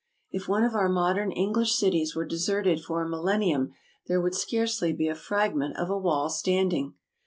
If one of our modern English cities were deserted for a millennium there would scarcely be a fragment of a wall standing."